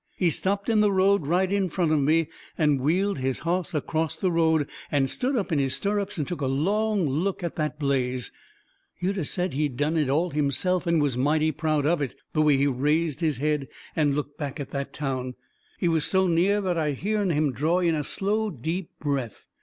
He stopped in the road right in front of me, and wheeled his hoss acrost the road and stood up in his stirrups and took a long look at that blaze. You'd 'a' said he had done it all himself and was mighty proud of it, the way he raised his head and looked back at that town. He was so near that I hearn him draw in a slow, deep breath.